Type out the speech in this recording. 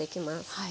はい。